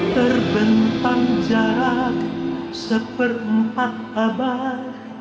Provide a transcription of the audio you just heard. terbentang jarak seperempat abad